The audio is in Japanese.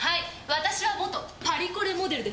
私は元パリコレモデルです。